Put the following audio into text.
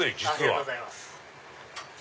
ありがとうございます。